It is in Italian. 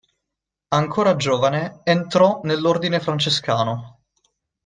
Ancora giovane, entrò nell'Ordine francescano.